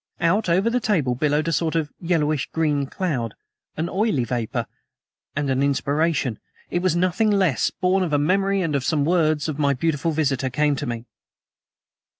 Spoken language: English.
Out over the table billowed a sort of yellowish green cloud an oily vapor and an inspiration, it was nothing less, born of a memory and of some words of my beautiful visitor, came to me.